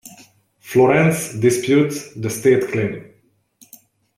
Florence disputes the state claim.